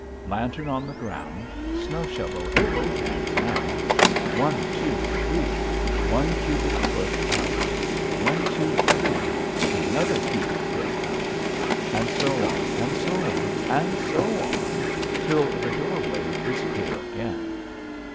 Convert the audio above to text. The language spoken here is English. Lantern on the ground; snow shovel in both hands now. One, two, three! one cubic foot out. One, two, three! another cubic foot out. And so on, and so on, and so on, till the doorway is clear again.